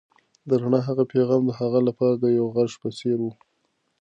د رڼا هغه پيغام د هغه لپاره د یو غږ په څېر و.